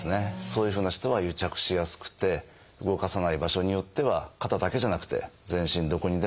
そういうふうな人は癒着しやすくて動かさない場所によっては肩だけじゃなくて全身どこにでも起こることはあります。